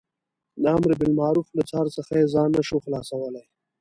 له امر بالمعروف له څار څخه یې ځان نه شوای خلاصولای.